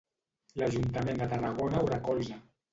L'Ajuntament de Tarragona ho recolza.